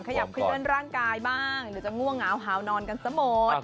ขยับขึ้นเรื่องร่างกายบ้างเดี๋ยวจะง่วงหาวหาวนอนกันสะหมด